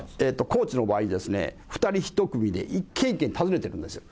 高知の場合ですね、２人１組で一軒一軒訪ねてるんですよ。